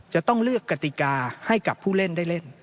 จะต้องเลือกกติกาให้กับผู้เล่นได้เล่น